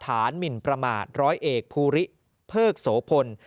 หมินประมาทร้อยเอกภูริเพิกโสพล